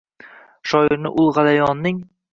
Shoirni ul g’alayonning